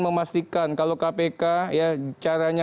memastikan kalau kpk ya caranya